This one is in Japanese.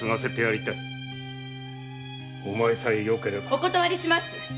お断りします。